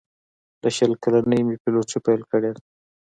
له شل کلنۍ مې پیلوټي پیل کړې ده.